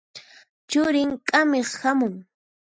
Churin k'amiq hamun.